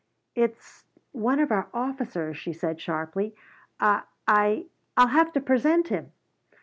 "It's one of our officers," she said sharply. "I I'll have to present him."